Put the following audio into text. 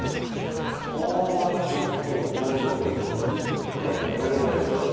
ああちょっと表情が違うというか模様が違う。